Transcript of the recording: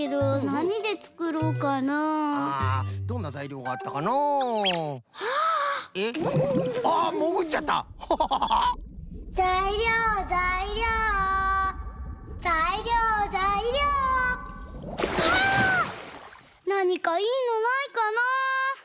なにかいいのないかな？